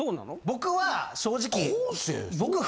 僕は正直。